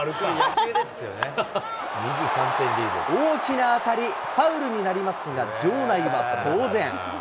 大きな当たり、ファウルになりますが、場内は騒然。